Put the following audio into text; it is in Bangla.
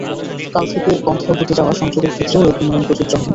কাল থেকে বন্ধ হতে যাওয়া সংযোগের ক্ষেত্রেও একই নিয়ম প্রযোজ্য হবে।